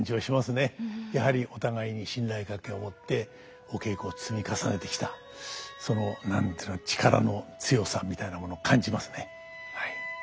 やはりお互いに信頼関係を持ってお稽古を積み重ねてきたその何て言うのかな力の強さみたいなもの感じますねはい。